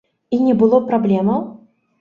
І не было праблемаў!